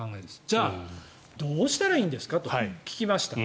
じゃあどうしたらいいんですかと聞きました。